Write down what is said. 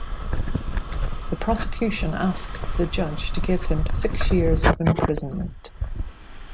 The prosecution asked the judge to give him six years of imprisonment.